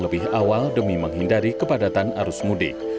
pemilih pulang lebih awal demi menghindari kepadatan arus mudik